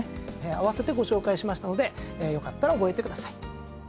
併せてご紹介しましたのでよかったら覚えてください。